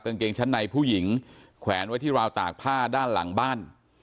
กางเกงชั้นในผู้หญิงแขวนไว้ที่ราวตากผ้าด้านหลังบ้าน